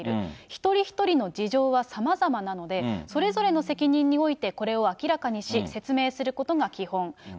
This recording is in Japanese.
一人一人の事情はさまざまなので、それぞれの責任においてこれを明らかにし、説明することが基本。